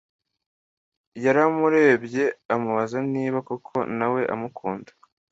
Yaramurebye amubaza niba koko nawe amukunda